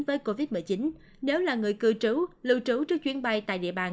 với covid một mươi chín nếu là người cư trú lưu trú trước chuyến bay tại địa bàn